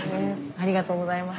ありがとうございます。